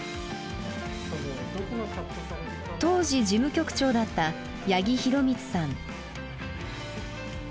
当時事務局長だった八木浩光さん。